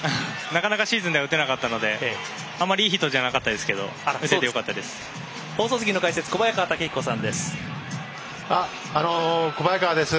なかなかシーズンでは打てなかったのであまりいいヒットじゃなかったですけど打ててよかったです。